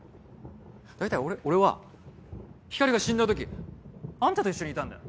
大体俺俺は光莉が死んだ時あんたと一緒にいたんだよ？